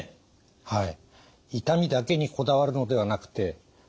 はい。